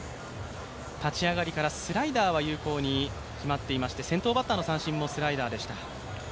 立ち上がりからスライダーは有効に決まっていまして、先頭バッターの三振もスライダーでした。